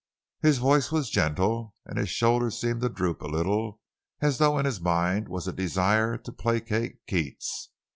His voice was gentle, and his shoulders seemed to droop a little as though in his mind was a desire to placate Keats.